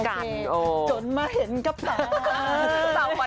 โอเคจนมาเห็นกระป๋าน